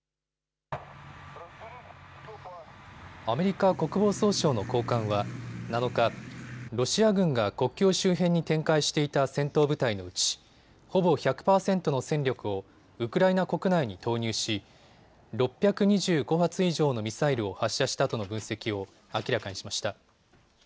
アメリカ国防総省の高官は７日、ロシア軍が国境周辺に展開していた戦闘部隊のうちほぼ１００％の戦力をウクライナ国内に投入し６２５発以上のミサイルを発射したとの分析を明らかにしました。